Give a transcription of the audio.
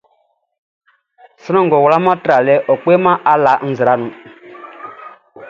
Sran ngʼɔ wlaman tralɛʼn, ɔ kpêman ala nzra nun.